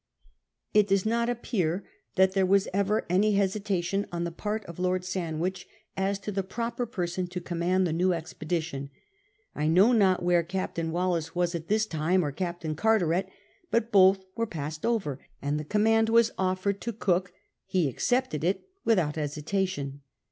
It does not appear that there Avas ever any hesitation on the part of Lord Sandwich as to the proper person to command the new expedition. I know not where Captain Wallis was at this time, or Captain Carteret, but both were passed over and the command was offered to Cook. He accepted it without hesitation.